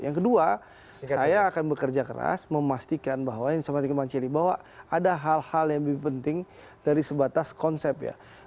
yang kedua saya akan bekerja keras memastikan bahwa ada hal hal yang lebih penting dari sebatas konsep ya